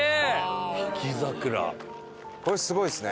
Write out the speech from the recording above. これすごいですね。